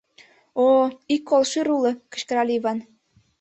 — О-о, ик колшӱр уло! — кычкырале Иван.